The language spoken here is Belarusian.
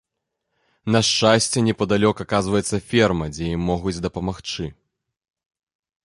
На шчасце, непадалёк аказваецца ферма, дзе ім могуць дапамагчы.